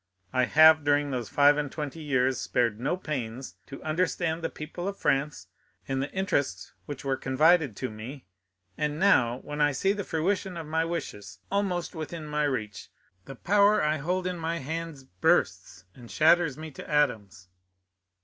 I have, during those five and twenty years, spared no pains to understand the people of France and the interests which were confided to me; and now, when I see the fruition of my wishes almost within reach, the power I hold in my hands bursts and shatters me to atoms!"